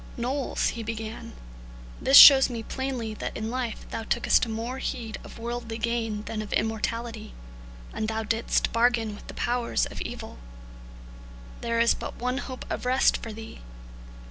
"Knowles," he began, "this shows me plainly that in life thou tookest more heed of worldly gain than of immortality, and thou didst bargain with the powers of evil. There is but one hope of rest for thee.